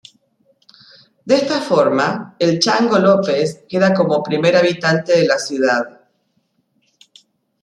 De esta forma, el "Chango" López queda como Primer Habitante de la ciudad